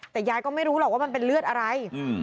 แต่ยายก็ไม่รู้หรอกว่ามันเป็นเลือดอะไร